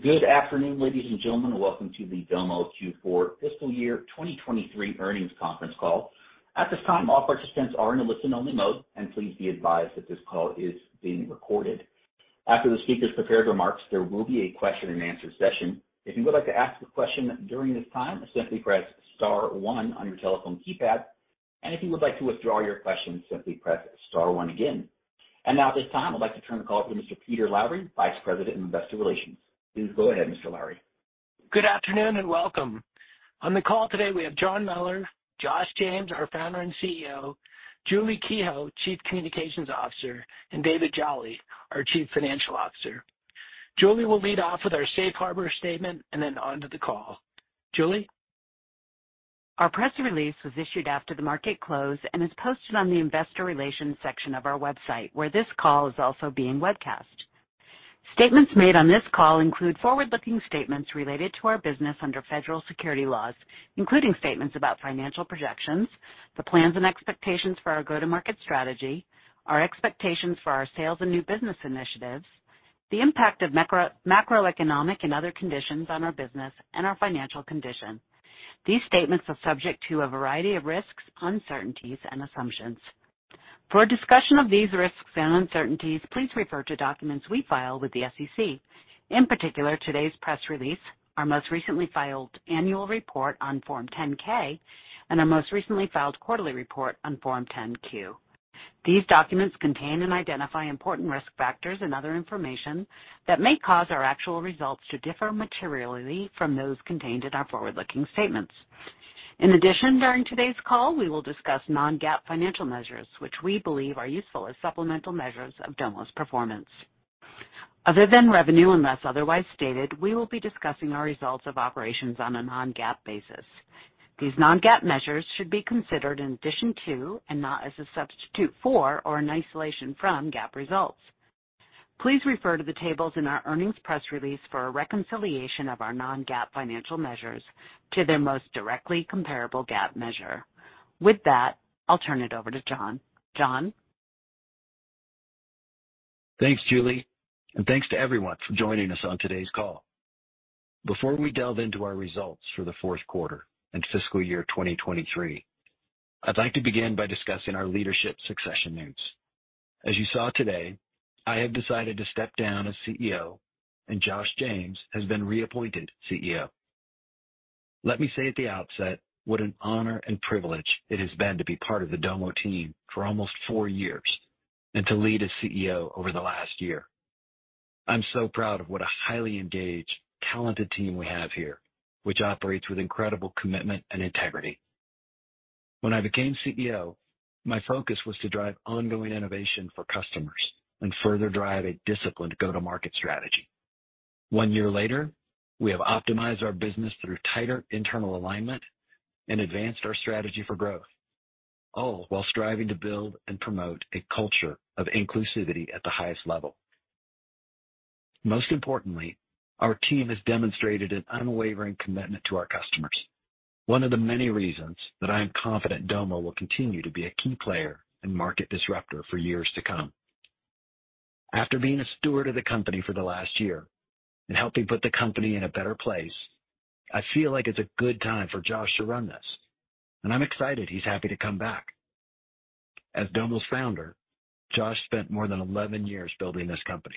Good afternoon, ladies and gentlemen. Welcome to the Domo Q4 fiscal year 2023 earnings conference call. At this time, all participants are in a listen-only mode, and please be advised that this call is being recorded. After the speaker's prepared remarks, there will be a question-and-answer session. If you would like to ask a question during this time, simply press star 1 on your telephone keypad, and if you would like to withdraw your question, simply press star 1 again. Now at this time, I'd like to turn the call over to Mr. Peter Lowry, Vice President and Investor Relations. Please go ahead, Mr. Lowry. Good afternoon, and welcome. On the call today, we have John Mellor, Josh James, our Founder and CEO, Julie Kehoe, Chief Communications Officer, and David Jolley, our Chief Financial Officer. Julie will lead off with our safe harbor statement, then on to the call. Julie? Our press release was issued after the market closed and is posted on the investor relations section of our website, where this call is also being webcast. Statements made on this call include forward-looking statements related to our business under federal security laws, including statements about financial projections, the plans and expectations for our go-to-market strategy, our expectations for our sales and new business initiatives, the impact of macroeconomic and other conditions on our business and our financial condition. These statements are subject to a variety of risks, uncertainties, and assumptions. For a discussion of these risks and uncertainties, please refer to documents we file with the SEC. In particular, today's press release, our most recently filed annual report on Form 10-K, and our most recently filed 1/4ly report on Form 10-Q. These documents contain and identify important risk factors and other information that may cause our actual results to differ materially from those contained in our forward-looking statements. In addition, during today's call, we will discuss non-GAAP financial measures, which we believe are useful as supplemental measures of Domo's performance. Other than revenue, unless otherwise stated, we will be discussing our results of operations on a non-GAAP basis. These non-GAAP measures should be considered in addition to and not as a substitute for or in isolation from GAAP results. Please refer to the tables in our earnings press release for a reconciliation of our non-GAAP financial measures to their most directly comparable GAAP measure. With that, I'll turn it over to John. John? Thanks, Julie, and thanks to everyone for joining us on today's call. Before we delve into our results for the 4th 1/4 and fiscal year 2023, I'd like to begin by discussing our leadership succession news. As you saw today, I have decided to step down as CEO, and Josh James has been reappointed CEO. Let me say at the outset what an honor and privilege it has been to be part of the Domo team for almost 4 years and to lead as CEO over the last year. I'm so proud of what a highly engaged, talented team we have here, which operates with incredible commitment and integrity. When I became CEO, my focus was to drive ongoing innovation for customers and further drive a disciplined go-to-market strategy. 1 year later, we have optimized our business through tighter internal alignment and advanced our strategy for growth, all while striving to build and promote a culture of inclusivity at the highest level. Most importantly, our team has demonstrated an unwavering commitment to our customers. 1 of the many reasons that I am confident Domo will continue to be a key player and market disruptor for years to come. After being a steward of the company for the last year and helping put the company in a better place, I feel like it's a good time for Josh to run this, and I'm excited he's happy to come back. As Domo's founder, Josh spent more than 11 years building this company.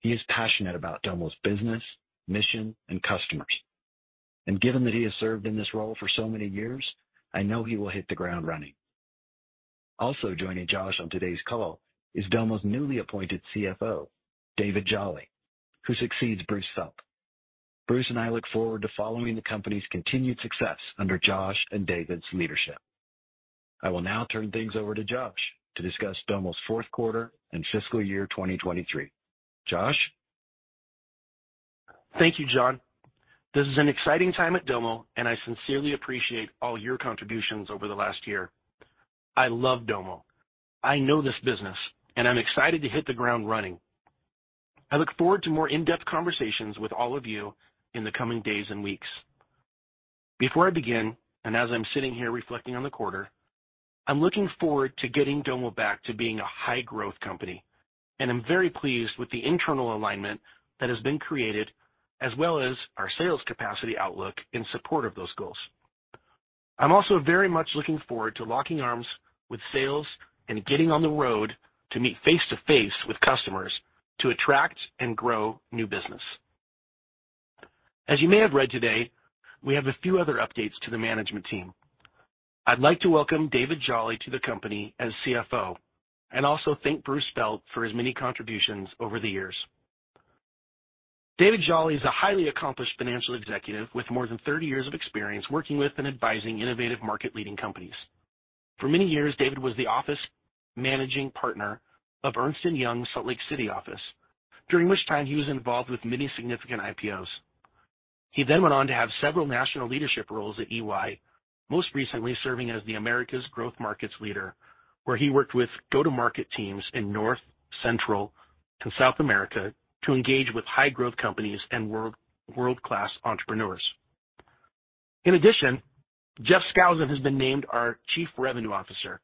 He is passionate about Domo's business, mission, and customers. Given that he has served in this role for so many years, I know he will hit the ground running. Also joining Josh on today's call is Domo's newly appointed CFO, David Jolley, who succeeds Bruce Felt. Bruce and I look forward to following the company's continued success under Josh and David's leadership. I will now turn things over to Josh to discuss Domo's 4th 1/4 and fiscal year 2023. Josh? Thank you, John. This is an exciting time at Domo, and I sincerely appreciate all your contributions over the last year. I love Domo. I know this business, and I'm excited to hit the ground running. I look forward to more in-depth conversations with all of you in the coming days and weeks. Before I begin, and as I'm sitting here reflecting on the 1/4, I'm looking forward to getting Domo back to being a high-growth company, and I'm very pleased with the internal alignment that has been created, as well as our sales capacity outlook in support of those goals. I'm also very much looking forward to locking arms with sales and getting on the road to meet face-to-face with customers to attract and grow new business. As you may have read today, we have a few other updates to the management team. I'd like to welcome David Jolley to the company as CFO and also thank Bruce Felt for his many contributions over the years. David Jolley is a highly accomplished financial executive with more than 30 years of experience working with and advising innovative market-leading companies. For many years, David was the office managing partner of Ernst & Young's Salt Lake City office, during which time he was involved with many significant IPOs. He went on to have several national leadership roles at EY, most recently serving as the Americas Growth Markets Leader, where he worked with go-to-market teams in North, Central, and South America to engage with high-growth companies and world-class entrepreneurs. Jeff Skousen has been named our Chief Revenue Officer,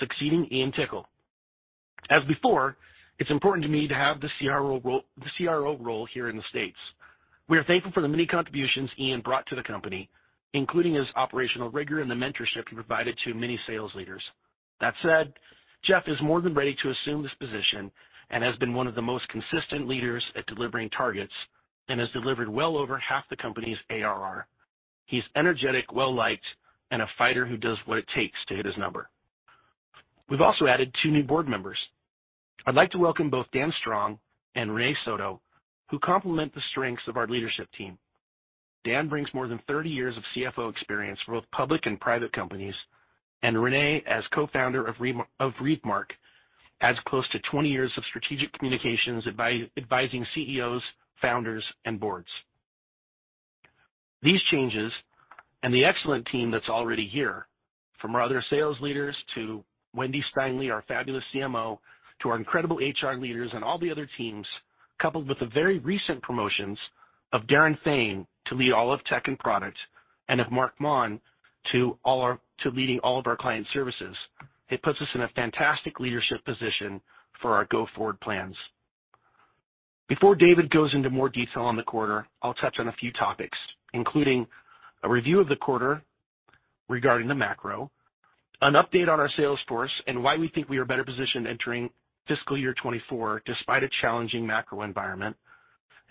succeeding Ian Tickle. As before, it's important to me to have the CRO role here in the States. We are thankful for the many contributions Ian brought to the company, including his operational rigor and the mentorship he provided to many sales leaders. That said, Jeff is more than ready to assume this position and has been 1 of the most consis10t leaders at delivering targets and has delivered well over 1/2 the company's ARR. He's energetic, well-liked, and a fighter who does what it takes to hit his number. We've also added 2 new board members. I'd like to welcome both Dan Strong and Renée Soto, who complement the strengths of our leadership team. Dan brings more than 30 years of CFO experience for both public and private companies, and Renée, as co-founder of Remark, adds close to 20 years of strategic communications, advising CEOs, founders, and boards. These changes and the excellent team that's already here, from our other sales leaders to Wendy Steinle, our fabulous CMO, to our incredible HR leaders and all the other teams, coupled with the very recent promotions of Daren Fain to lead all of tech and product and of Mark Maughan to leading all of our client services. It puts us in a fantastic leadership position for our go-forward plans. Before David goes into more detail on the 1/4, I'll touch on a few topics, including a review of the 1/4 regarding the macro, an update on our sales force and why we think we are better positioned entering fiscal year 2024 despite a challenging macro environment,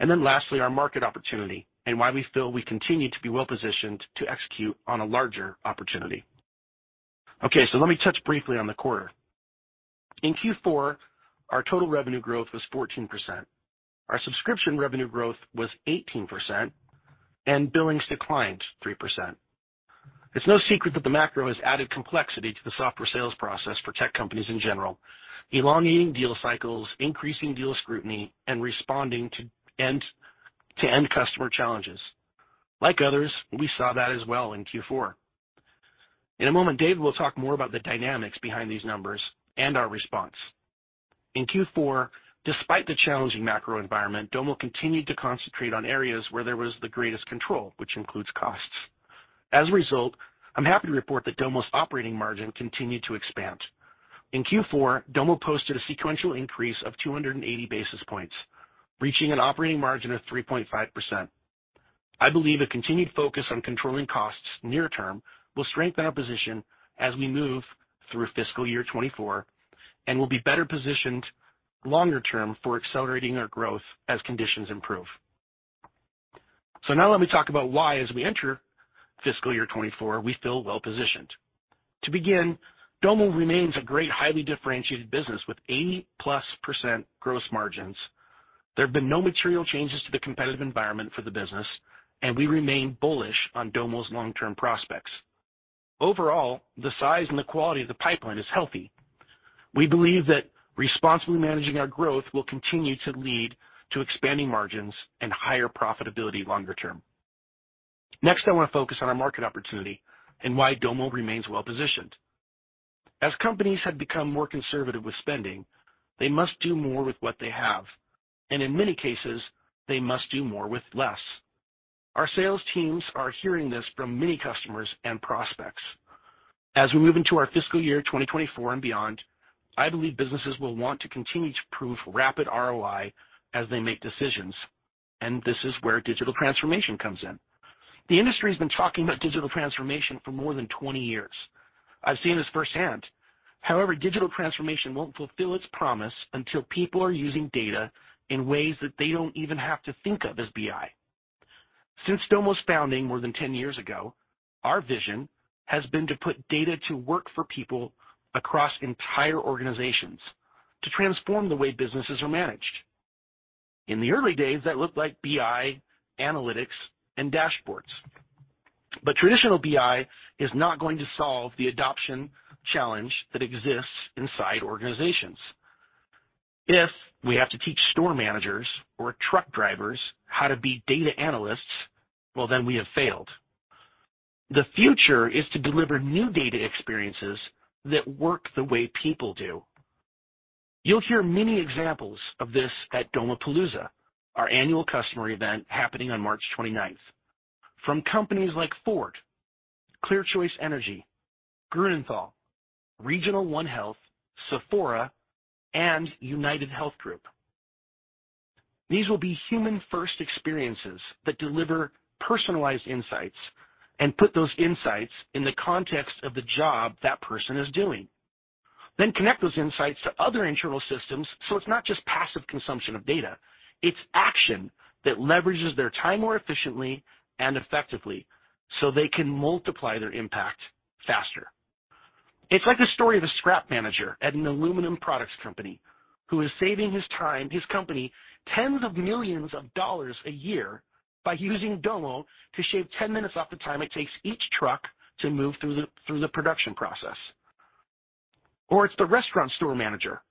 lastly, our market opportunity and why we feel we continue to be well-positioned to execute on a larger opportunity. Let me touch briefly on the 1/4. In Q4, our total revenue growth was 14%. Our subscription revenue growth was 18%, and billings declined 3%. It's no secret that the macro has added complexity to the software sales process for tech companies in general, elongating deal cycles, increasing deal scrutiny, and responding to end-to-end customer challenges. Like others, we saw that as well in Q4. In a moment, David will talk more about the dynamics behind these numbers and our response. In Q4, despite the challenging macro environment, Domo continued to concentrate on areas where there was the greatest control, which includes costs. As a result, I'm happy to report that Domo's operating margin continued to expand. In Q4, Domo posted a sequential increase of 280 basis points, reaching an operating margin of 3.5%. I believe a continued focus on controlling costs near term will strengthen our position as we move through fiscal year 2024 and will be better positioned longer term for accelerating our growth as conditions improve. Now let me talk about why, as we enter fiscal year 2024, we feel well positioned. To begin, Domo remains a great, highly differentiated business with 80%+ gross margins. There have been no material changes to the competitive environment for the business, and we remain bullish on Domo's long-term prospects. Overall, the size and the quality of the pipeline is healthy. We believe that responsibly managing our growth will continue to lead to expanding margins and higher profitability longer term. Next, I want to focus on our market opportunity and why Domo remains well positioned. As companies have become more conservative with spending, they must do more with what they have, and in many cases, they must do more with less. Our sales teams are hearing this from many customers and prospects. As we move into our fiscal year 2024 and beyond, I believe businesses will want to continue to prove rapid ROI as they make decisions, and this is where digital transformation comes in. The industry has been talking about digital transformation for more than 20 years. I've seen this firsthand. However, digital transformation won't fulfill its promise until people are using data in ways that they don't even have to think of as BI. Since Domo's founding more than 10 years ago, our vision has been to put data to work for people across entire organizations to transform the way businesses are managed. In the early days, that looked like BI, analytics, and dashboards. Traditional BI is not going to solve the adoption challenge that exists inside organizations. If we have to teach store managers or truck drivers how to be data analysts, well, then we have failed. The future is to deliver new data experiences that work the way people do. You'll hear many examples of this at Domopalooza, our annual customer event happening on March 29th, from companies like Ford, CleanChoice Energy, Grünenthal, Regional 1 Health, Sephora, and UnitedHealth Group. These will be human-first experiences that deliver personalized insights and put those insights in the context of the job that person is doing. Connect those insights to other internal systems so it's not just passive consumption of data. It's action that leverages their time more efficiently and effectively so they can multiply their impact faster. It's like the story of a scrap manager at an aluminum products company who is saving his time, his company 10s of millions of dollars a year by using Domo to shave 10 minutes off the time it takes each truck to move through the production process. It's the restaurant store manager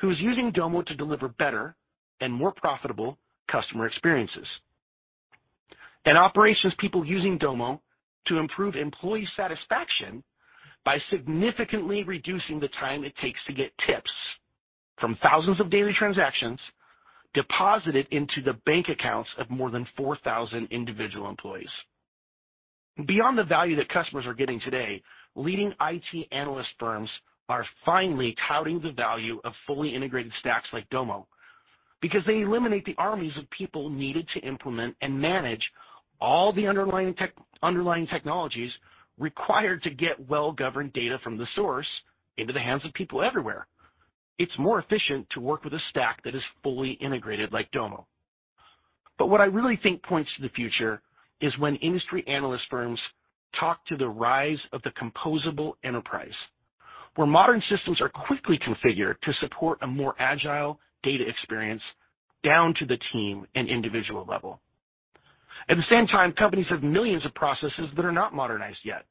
who is using Domo to deliver better and more profitable customer experiences. Operations people using Domo to improve employee satisfaction by significantly reducing the time it takes to get tips from thousands of daily transactions deposited into the bank accounts of more than 4,000 individual employees. Beyond the value that customers are getting today, leading IT analyst firms are finally touting the value of fully integrated stacks like Domo because they eliminate the armies of people needed to implement and manage all the underlying technologies required to get well-governed data from the source into the hands of people everywhere. It's more efficient to work with a stack that is fully integrated like Domo. What I really think points to the future is when industry analyst firms talk to the rise of the composable enterprise, where modern systems are quickly configured to support a more agile data experience down to the team and individual level. At the same time, companies have millions of processes that are not modernized yet,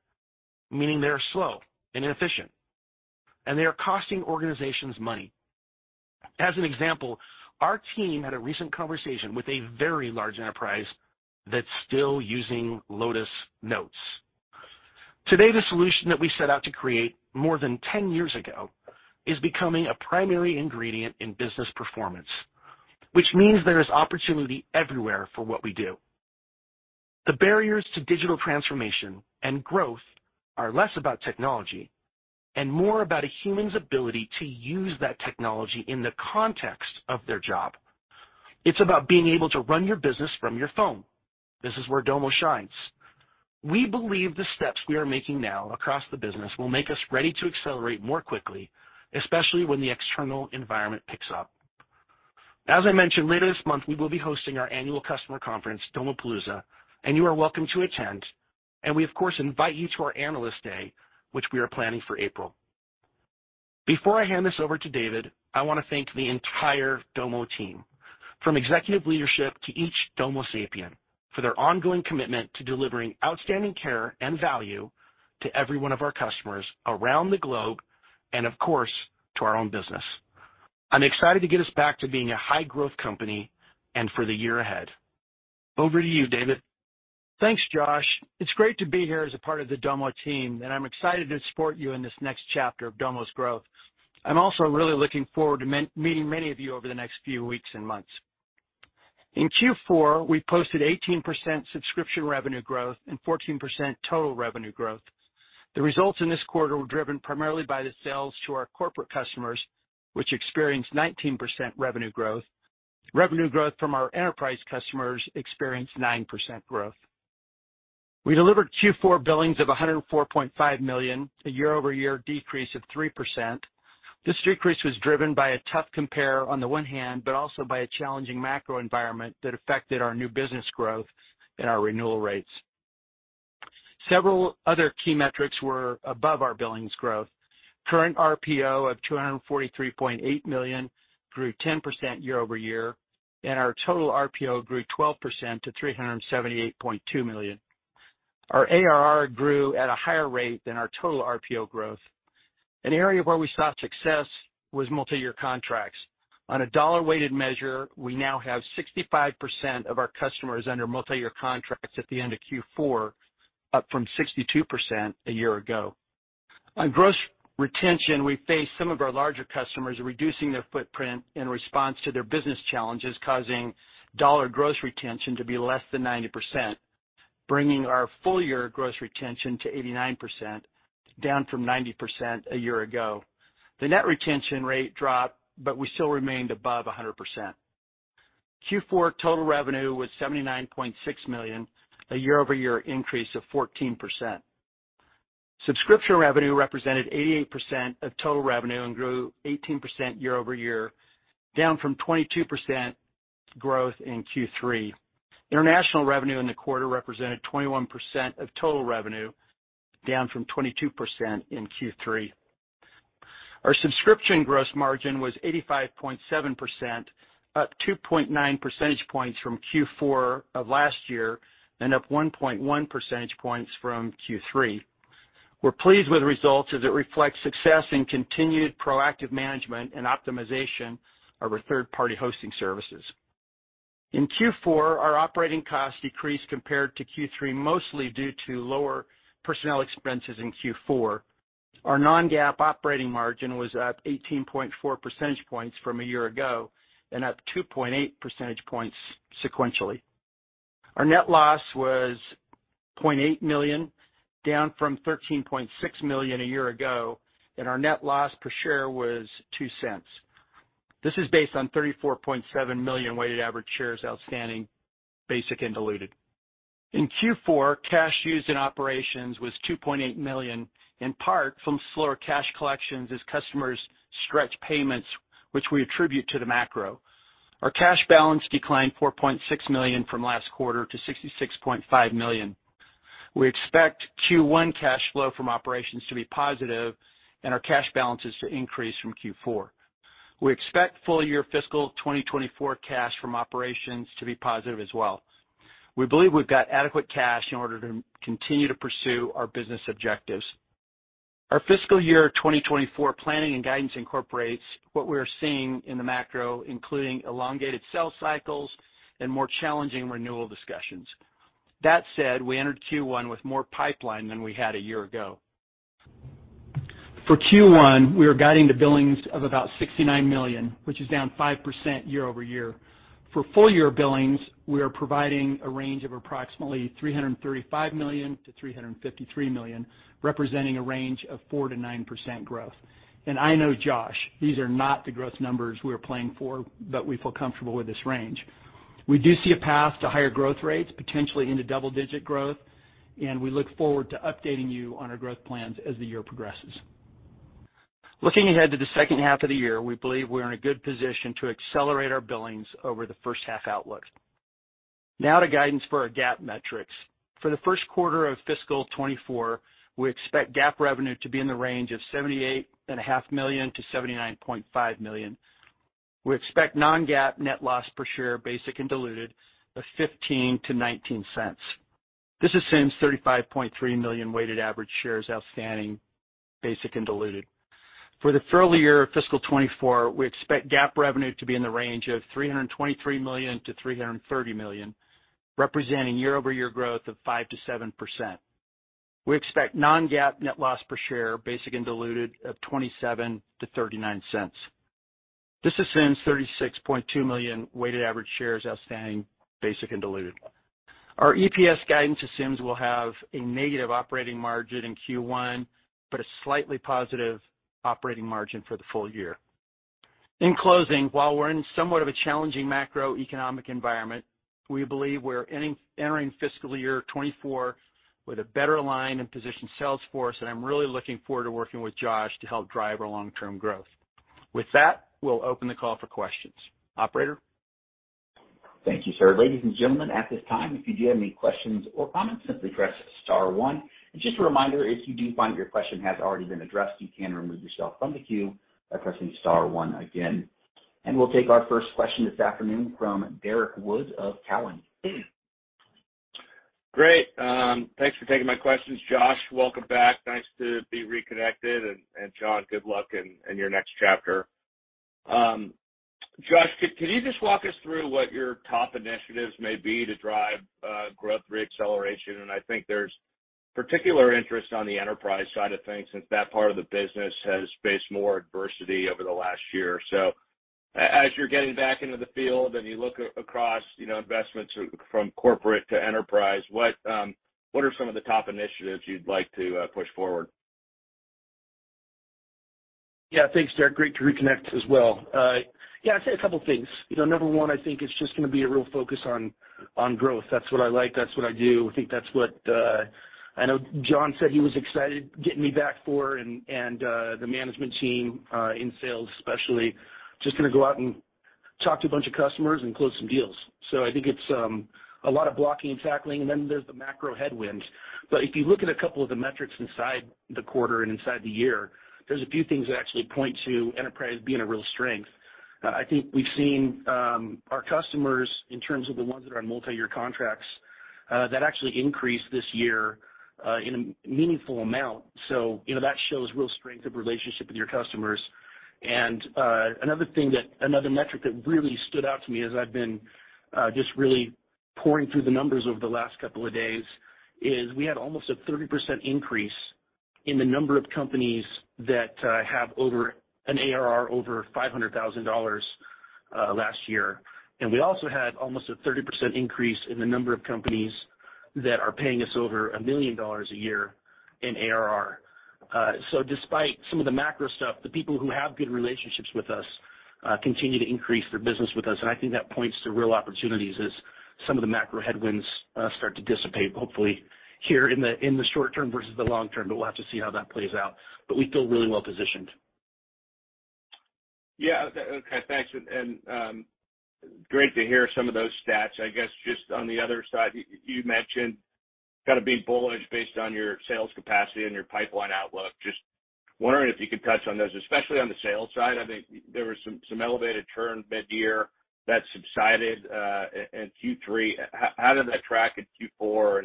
meaning they are slow and inefficient, and they are costing organizations money. As an example, our team had a recent conversation with a very large enterprise that's still using Lotus Notes. Today, the solution that we set out to create more than 10 years ago is becoming a primary ingredient in business performance, which means there is opportunity everywhere for what we do. The barriers to digital transformation and growth are less about technology and more about a human's ability to use that technology in the context of their job. It's about being able to run your business from your phone. This is where Domo shines. We believe the steps we are making now across the business will make us ready to accelerate more quickly, especially when the external environment picks up. As I mentioned, later this month, we will be hosting our annual customer conference, Domopalooza, and you are welcome to at10d. We, of course, invite you to our Analyst Day, which we are planning for April. Before I hand this over to David, I want to thank the entire Domo team, from executive leadership to each Domo-sapien, for their ongoing commitment to delivering outstanding care and value to every 1 of our customers around the globe and, of course, to our own business. I'm excited to get us back to being a high-growth company and for the year ahead. Over to you, David. Thanks, Josh. It's great to be here as a part of the Domo team, I'm excited to support you in this next chapter of Domo's growth. I'm also really looking forward to meeting many of you over the next few weeks and months. In Q4, we posted 18% subscription revenue growth and 14% total revenue growth. The results in this 1/4 were driven primarily by the sales to our corporate customers, which experienced 19% revenue growth. Revenue growth from our enterprise customers experienced 9% growth. We delivered Q4 billings of $104.5 million, a year-over-year decrease of 3%. This decrease was driven by a tough compare on the 1 hand, also by a challenging macro environment that affected our new business growth and our renewal rates. Several other key metrics were above our billings growth. Current RPO of $243.8 million grew 10% year-over-year, and our total RPO grew 12% to $378.2 million. Our ARR grew at a higher rate than our total RPO growth. An area where we saw success was multiyear contracts. On a dollar-weighted measure, we now have 65% of our customers under multiyear contracts at the end of Q4, up from 62% a year ago. On gross re10tion, we faced some of our larger customers reducing their footprint in response to their business challenges, causing dollar gross re10tion to be less than 90%, bringing our full-year gross re10tion to 89%, down from 90% a year ago. The net re10tion rate dropped, but we still remained above 100%. Q4 total revenue was $79.6 million, a year-over-year increase of 14%. Subscription revenue represented 88% of total revenue and grew 18% year-over-year, down from 22% growth in Q3. International revenue in the 1/4 represented 21% of total revenue, down from 22% in Q3. Our subscription gross margin was 85.7%, up 2.9 percentage points from Q4 of last year and up 1.1 percentage points from Q3. We're pleased with the results as it reflects success in continued proactive management and optimization of our third-party hosting services. In Q4, our operating costs decreased compared to Q3, mostly due to lower personnel expenses in Q4. Our non-GAAP operating margin was up 18.4 percentage points from a year ago and up 2.8 percentage points sequentially. Our net loss was $0.8 million, down from $13.6 million a year ago, and our net loss per share was $0.02. This is based on 34.7 million weighted average shares outstanding, basic and diluted. In Q4, cash used in operations was $2.8 million, in part from slower cash collections as customers stretch payments, which we attribute to the macro. Our cash balance declined $4.6 million from last 1/4 to $66.5 million. We expect Q1 cash flow from operations to be positive and our cash balances to increase from Q4. We expect full year fiscal 2024 cash from operations to be positive as well. We believe we've got adequate cash in order to continue to pursue our business objectives. Our fiscal year 2024 planning and guidance incorporates what we are seeing in the macro, including elongated sales cycles and more challenging renewal discussions. That said, we entered Q1 with more pipeline than we had a year ago. For Q1, we are guiding the billings of about 6ty-nine million, which is down 5 percent year over year. For full year billings, we are providing a range of approximately 3 hundred and 35 million to 3 hundred and fifty-3 million, representing a range of 4 to nine percent growth. And I know Josh, these are not the growth numbers we were playing for, but we feel comfortable with this range. We do see a path to higher growth rates, potentially into double-digit growth, and we look forward to updating you on our growth plans as the year progresses. Looking ahead to the second 1/2 of the year, we believe we're in a good position to accelerate our billings over the first 1/2 outlook. Now to guidance for our GAAP metrics. For the first 1/4 of fiscal 2024, we expect GAAP revenue to be in the range of $78.5 million-$79.5 million. We expect non-GAAP net loss per share, basic and diluted, of $0.15-$0.19. This assumes 35.3 million weighted average shares outstanding, basic and diluted. For the full year of fiscal 2024, we expect GAAP revenue to be in the range of $323 million-$330 million, representing year-over-year growth of 5%-7%. We expect non-GAAP net loss per share, basic and diluted, of $0.27-$0.39. This assumes 36.2 million weighted average shares outstanding, basic and diluted. Our EPS guidance assumes we'll have a negative operating margin in Q1, but a slightly positive operating margin for the full year. In closing, while we're in somewhat of a challenging macroeconomic environment, we believe we're entering fiscal year 2024 with a better aligned and positioned sales force, and I'm really looking forward to working with Josh to help drive our long-term growth. With that, we'll open the call for questions. Operator? Thank you, sir. Ladies and gentlemen, at this time, if you do have any questions or comments, simply press star 1. Just a reminder, if you do find your question has already been addressed, you can remove yourself from the queue by pressing star 1 again. We'll take our first question this afternoon from Derrick Wood of Cowen. Great. Thanks for taking my questions. Josh, welcome back. Nice to be reconnected. John, good luck in your next chapter. Josh, can you just walk us through what your top initiatives may be to drive growth re-acceleration? I think there's particular interest on the enterprise side of things, since that part of the business has faced more adversity over the last year or so. As you're getting back into the field and you look across, you know, investments from corporate to enterprise, what are some of the top initiatives you'd like to push forward? Thanks, Derrick. Great to reconnect as well. Yeah, I'd say a couple things. You know, number 1, I think it's just gonna be a real focus on growth. That's what I like, that's what I do. I think that's what I know John said he was excited getting me back for, and the management team in sales especially, just gonna go out and talk to a bunch of customers and close some deals. I think it's a lot of blocking and tackling, and then there's the macro headwinds. If you look at a couple of the metrics inside the 1/4 and inside the year, there's a few things that actually point to enterprise being a real strength. I think we've seen our customers in terms of the ones that are on multiyear contracts that actually increased this year in a meaningful amount. You know, that shows real strength of relationship with your customers. Another metric that really stood out to me as I've been just really poring through the numbers over the last couple of days is we had almost a 30% increase in the number of companies that have over an ARR over $500,000 last year. We also had almost a 30% increase in the number of companies that are paying us over $1 million a year in ARR. Despite some of the macro stuff, the people who have good relationships with us continue to increase their business with us. I think that points to real opportunities as some of the macro headwinds start to dissipate, hopefully here in the, in the short term versus the long term, but we'll have to see how that plays out. We feel really well positioned. Yeah. Okay. Thanks. Great to hear some of those stats. I guess just on the other side, you mentioned kind of being bullish based on your sales capacity and your pipeline outlook. Just wondering if you could touch on those, especially on the sales side. I think there was some elevated churn midyear that subsided in Q3. How did that track in Q4?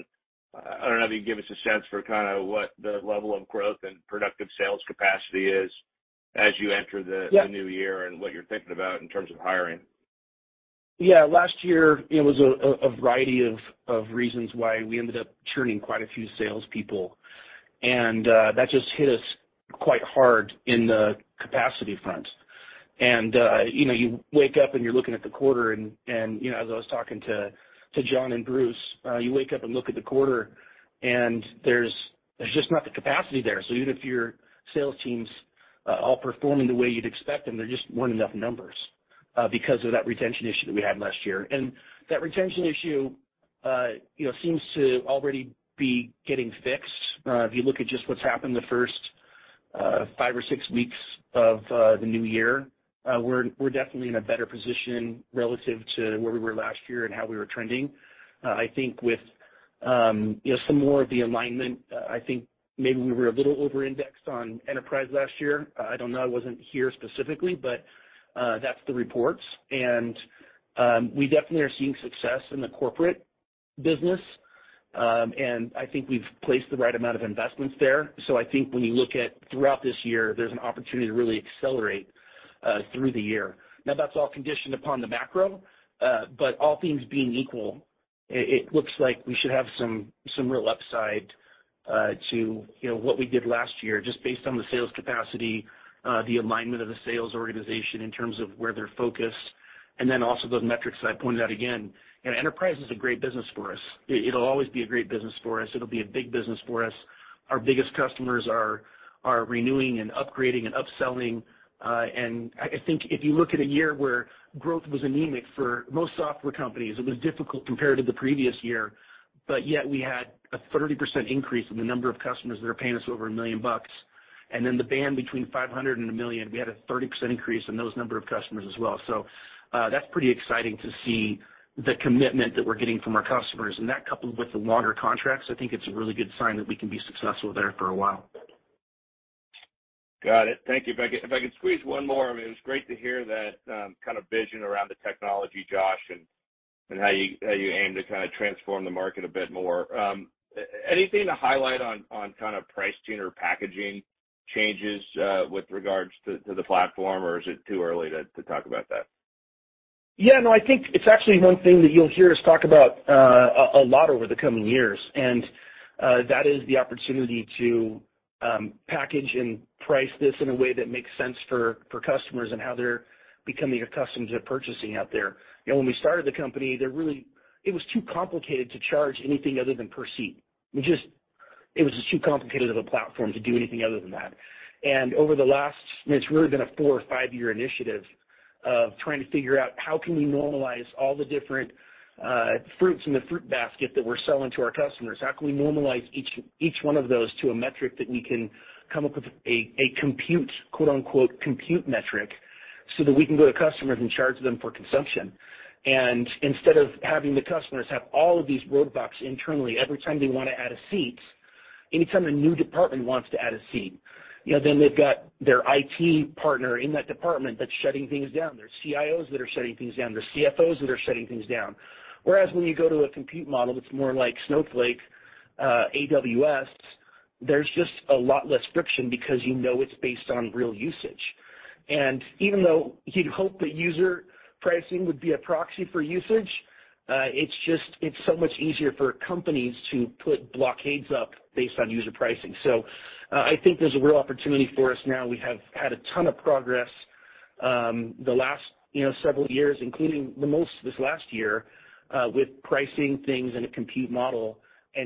I don't know if you can give us a sense for kind of what the level of growth and productive sales capacity is as you enter the. Yeah... the new year and what you're thinking about in terms of hiring. Yeah. Last year, you know, was a variety of reasons why we ended up churning quite a few salespeople, and that just hit us quite hard in the capacity front. You know, you wake up, and you're looking at the 1/4 and, you know, as I was talking to John and Bruce, you wake up and look at the 1/4, and there's just not the capacity there. Even if your sales team's all performing the way you'd expect them, there just weren't enough numbers because of that retention issue that we had last year. That retention issue, you know, seems to already be getting fixed. If you look at just what's happened the first, 5 or 6 weeks of the new year, we're definitely in a better position relative to where we were last year and how we were trending. I think with, you know, some more of the alignment, I think maybe we were a little overindexed on enterprise last year. I don't know, I wasn't here specifically, but that's the reports. We definitely are seeing success in the corporate business, and I think we've placed the right amount of investments there. I think when you look at throughout this year, there's an opportunity to really accelerate through the year. That's all conditioned upon the macro, all things being equal, it looks like we should have some real upside to, you know, what we did last year, just based on the sales capacity, the alignment of the sales organization in terms of where they're focused, then also those metrics that I pointed out again. You know, enterprise is a great business for us. It'll always be a great business for us. It'll be a big business for us. Our biggest customers are renewing and upgrading and upselling. I think if you look at a year where growth was anemic for most software companies, it was difficult compared to the previous year, yet we had a 30% increase in the number of customers that are paying us over $1 million. The band between 500 and $1 million, we had a 30% increase in those number of customers as well. That's pretty exciting to see the commitment that we're getting from our customers. That coupled with the longer contracts, I think it's a really good sign that we can be successful there for a while. Got it. Thank you. If I could squeeze 1 more. I mean, it was great to hear that, kind of vision around the technology, Josh, and how you, how you aim to kinda transform the market a bit more. Anything to highlight on kind of price tune or packaging changes, with regards to the platform, or is it too early to talk about that? Yeah, no, I think it's actually 1 thing that you'll hear us talk about a lot over the coming years, and that is the opportunity to package and price this in a way that makes sense for customers and how they're becoming accustomed to purchasing out there. You know, when we started the company, there really. It was too complicated to charge anything other than per seat. It was just too complicated of a platform to do anything other than that. Over the last, I mean, it's really been a 4 or 5-year initiative of trying to figure out how can we normalize all the different fruits in the fruit basket that we're selling to our customers. How can we normalize each 1 of those to a metric that we can come up with a compute, quote-unquote, "compute metric," so that we can go to customers and charge them for consumption. Instead of having the customers have all of these roadblocks internally every time they wanna add a seat, anytime a new department wants to add a seat, you know, then they've got their IT partner in that department that's shutting things down. There's CIOs that are shutting things down. There's CFOs that are shutting things down. Whereas when you go to a compute model that's more like Snowflake, AWS, there's just a lot less friction because you know it's based on real usage. Even though you'd hope that user pricing would be a proxy for usage, it's just, it's so much easier for companies to put blockades up based on user pricing. I think there's a real opportunity for us now. We have had a ton of progress, the last, you know, several years, including the most this last year, with pricing things in a compute model.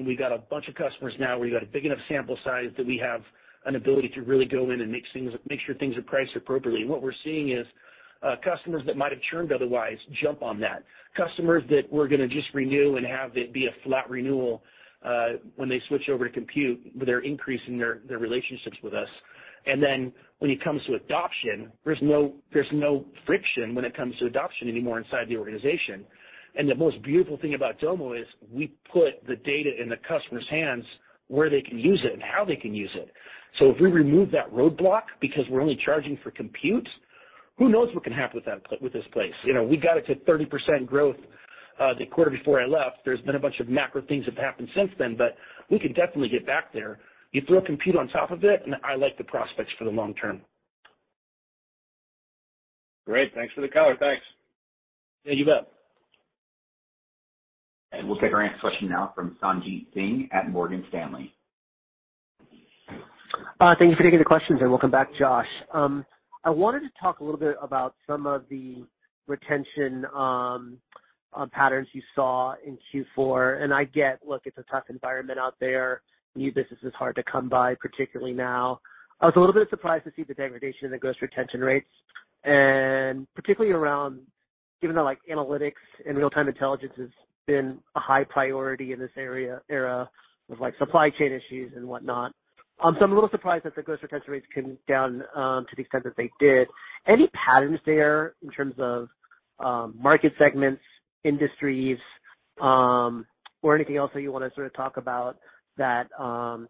We've got a bunch of customers now where you got a big enough sample size that we have an ability to really go in and make sure things are priced appropriately. What we're seeing is, customers that might have churned otherwise jump on that. Customers that were gonna just renew and have it be a flat renewal, when they switch over to compute, they're increasing their relationships with us. When it comes to adoption, there's no friction when it comes to adoption anymore inside the organization. The most beautiful thing about Domo is we put the data in the customer's hands where they can use it and how they can use it. If we remove that roadblock because we're only charging for compute, who knows what can happen with this place? You know, we got it to 30% growth, the 1/4 before I left. There's been a bunch of macro things that have happened since then, we can definitely get back there. You throw compute on top of it, I like the prospects for the long term. Great. Thanks for the color. Thanks. Yeah, you bet. We'll take our next question now from Sanjit Singh at Morgan Stanley. Thank you for taking the questions, and welcome back, Josh. I wanted to talk a little bit about some of the retention patterns you saw in Q4. I get, look, it's a tough environment out there. New business is hard to come by, particularly now. I was a little bit surprised to see the degradation in the gross retention rates, and particularly around, given that like analytics and real-time intelligence has been a high priority in this era of like supply chain issues and whatnot. I'm a little surprised that the gross retention rates came down to the extent that they did. Any patterns there in terms of market segments, industries, or anything else that you wanna sort of talk about that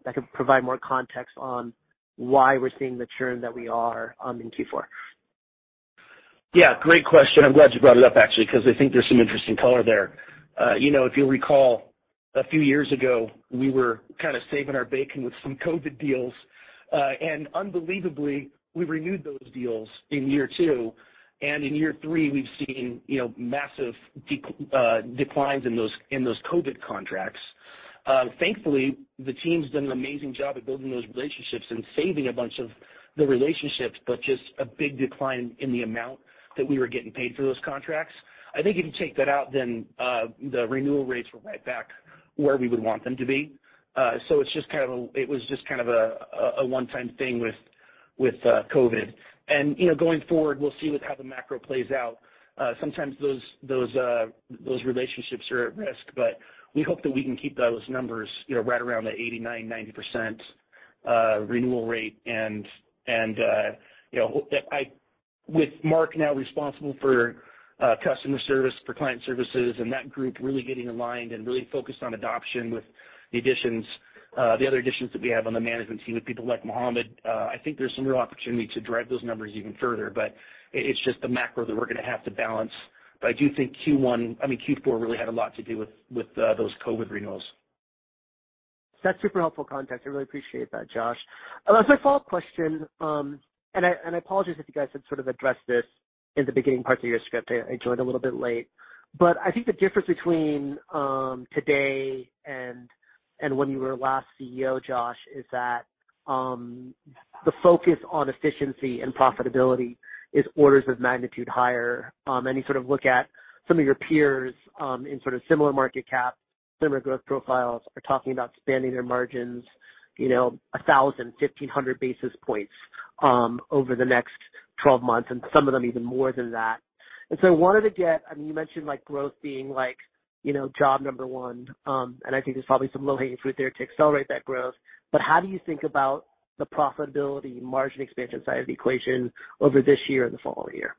that could provide more context on why we're seeing the churn that we are in Q4? Yeah, great question. I'm glad you brought it up actually, 'cause I think there's some interesting color there. You know, if you'll recall, a few years ago, we were kinda saving our bacon with some COVID deals. Unbelievably, we renewed those deals in year 2, and in year 3 we've seen, you know, massive declines in those, in those COVID contracts. Thankfully, the team's done an amazing job at building those relationships and saving a bunch of the relationships, but just a big decline in the amount that we were getting paid for those contracts. I think if you take that out, then, the renewal rates were right back where we would want them to be. It was just kind of a one-time thing with COVID. You know, going forward, we'll see with how the macro plays out. Sometimes those relationships are at risk, but we hope that we can keep those numbers, you know, right around the 89%-90% renewal rate. You know, with Mark now responsible for customer service, for client services, and that group really getting aligned and really focused on adoption with the additions, the other additions that we have on the management team with people like Mohammed, I think there's some real opportunity to drive those numbers even further. It's just the macro that we're gonna have to balance. I do think Q1, I mean, Q4 really had a lot to do with those COVID renewals. That's super helpful context. I really appreciate that, Josh. As my follow-up question, I apologize if you guys had sort of addressed this in the beginning parts of your script. I joined a little bit late. I think the difference between today and when you were last CEO, Josh, is that the focus on efficiency and profitability is orders of magnitude higher. Any sort of look at some of your peers in sort of similar market cap, similar growth profiles are talking about expanding their margins, you know, 1,000, 1,500 basis points over the next 12 months, and some of them even more than that. I wanted to get... I mean, you mentioned like growth being like, you know, job number 1, I think there's probably some low-hanging fruit there to accelerate that growth. How do you think about the profitability margin expansion side of the equation over this year and the following year?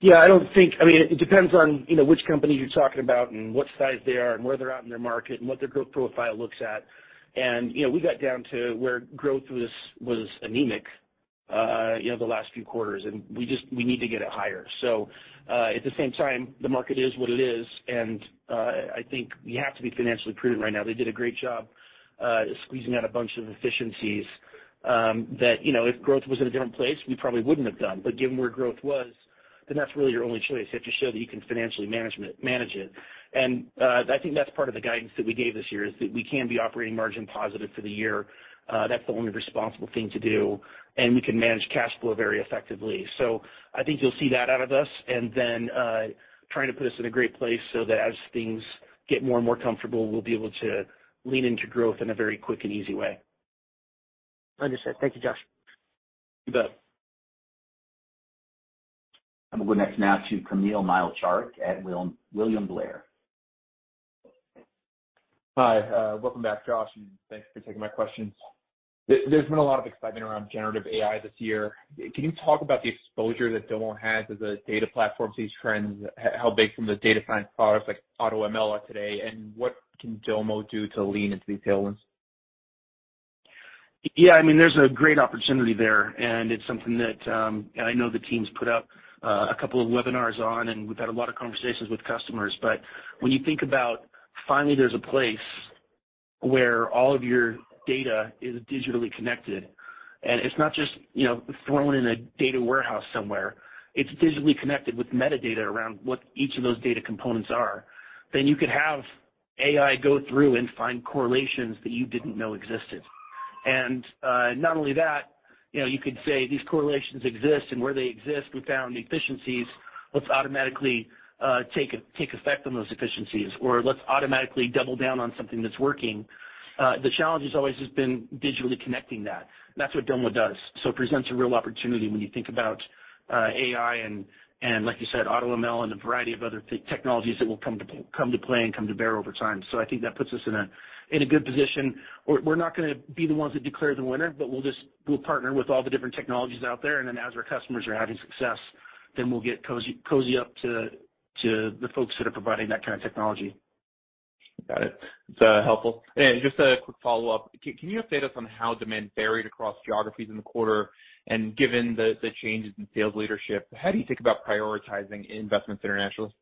Yeah. I don't think... I mean, it depends on, you know, which company you're talking about and what size they are and where they're at in their market and what their growth profile looks at. You know, we got down to where growth was anemic, you know, the last few 1/4s, we need to get it higher. At the same time, the market is what it is, and I think we have to be financially prudent right now. They did a great job squeezing out a bunch of efficiencies that, you know, if growth was in a different place, we probably wouldn't have done. Given where growth was, that's really your only choice. You have to show that you can financially manage it. I think that's part of the guidance that we gave this year, is that we can be operating margin positive for the year. That's the only responsible thing to do, and we can manage cash flow very effectively. I think you'll see that out of us. Trying to put us in a great place so that as things get more and more comfortable, we'll be able to lean into growth in a very quick and easy way. Understood. Thank you, Josh. You bet. We'll go next now to Kamil Mielczarek at William Blair. Hi. Welcome back, Josh, thanks for taking my questions. There's been a lot of excitement around generative AI this year. Can you talk about the exposure that Domo has as a data platform to these trends? How big from the data science products like AutoML are today, and what can Domo do to lean into these tailwinds? Yeah. I mean, there's a great opportunity there, and it's something that, I know the team's put up a couple of webinars on, and we've had a lot of conversations with customers. When you think about finally there's a place where all of your data is digitally connected, and it's not just, you know, thrown in a data warehouse somewhere. It's digitally connected with metadata around what each of those data components are. You could have AI go through and find correlations that you didn't know existed. Not only that, you know, you could say these correlations exist and where they exist, we found efficiencies. Let's automatically take effect on those efficiencies, or let's automatically double down on something that's working. The challenge has always just been digitally connecting that. That's what Domo does. It presents a real opportunity when you think about AI and like you said, AutoML and a variety of other technologies that will come to play and come to bear over time. I think that puts us in a good position. We're not gonna be the ones that declare the winner, but we'll partner with all the different technologies out there, and then as our customers are having success, then we'll get cozy up to the folks that are providing that kind of technology. Got it. It's helpful. Just a quick follow-up. Can you update us on how demand varied across geographies in the 1/4? Given the changes in sales leadership, how do you think about prioritizing investments internationally?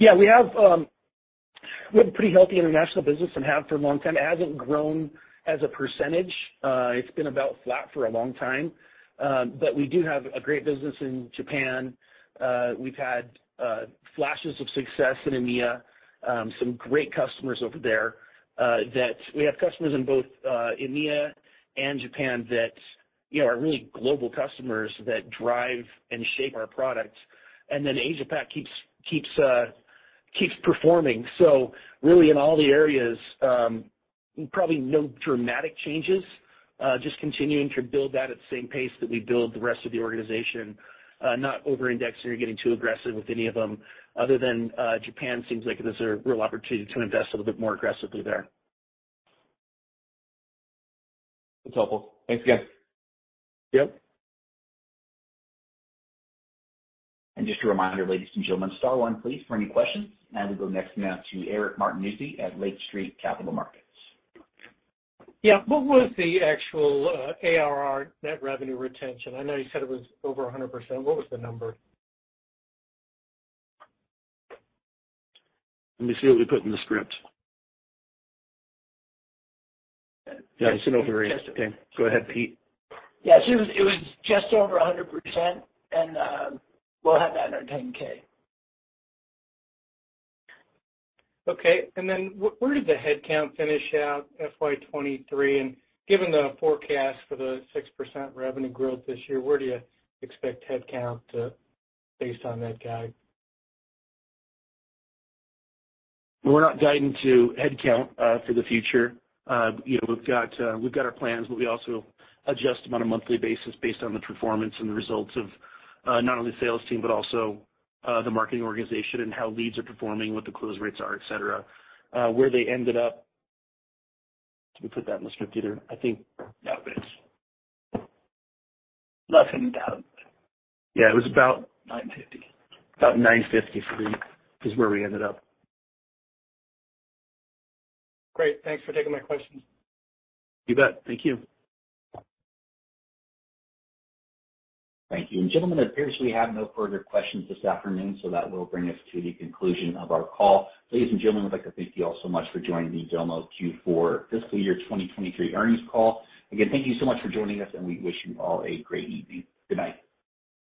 Yeah. We have a pretty healthy international business and have for a long time. It hasn't grown as a percentage. It's been about flat for a long time. We do have a great business in Japan. We've had flashes of success in EMEA. Some great customers over there, that we have customers in both EMEA and Japan that, you know, are really global customers that drive and shape our products. Asia Pac keeps performing. Really in all the areas, probably no dramatic changes. Just continuing to build that at the same pace that we build the rest of the organization. Not over-indexing or getting too aggressive with any of them other than Japan seems like there's a real opportunity to invest a little bit more aggressively there. That's helpful. Thanks again. Yep. Just a reminder, ladies and gentlemen, star 1 please for any questions. We go next now to Eric Martinuzzi at Lake Street Capital Markets. What was the actual ARR net revenue retention? I know you said it was over 100%. What was the number? Let me see what we put in the script. Yeah. It's in over eight. Okay, go ahead, Peter. Yeah. It was just over 100%, and we'll have that in our 10-K. Okay. Where did the headcount finish out FY 23? Given the forecast for the 6% revenue growth this year, where do you expect headcount based on that guide? We're not guiding to headcount for the future. You know, we've got, we've got our plans, but we also adjust them on a monthly basis based on the performance and the results of not only the sales team, but also the marketing organization and how leads are performing, what the close rates are, et cetera. Where they ended up, did we put that in the script either? I think No, but. Less than doubt. Yeah, it was about 950. About 953 is where we ended up. Great. Thanks for taking my questions. You bet. Thank you. Thank you. Gentlemen, it appears we have no further questions this afternoon, that will bring us to the conclusion of our call. Ladies and gentlemen, we'd like to thank you all so much for joining the Domo Q4 fiscal year 2023 earnings call. Again, thank you so much for joining us, and we wish you all a great evening. Good night.